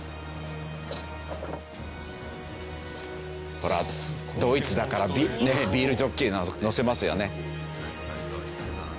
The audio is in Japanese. ほらドイツだからビールジョッキ載せますよね。